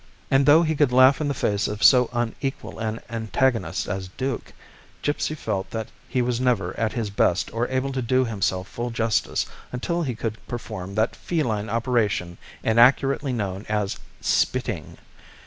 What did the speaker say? And though he could laugh in the face of so unequal an antagonist as Duke, Gipsy felt that he was never at his best or able to do himself full justice unless he could perform that feline operation inaccurately known as "spitting."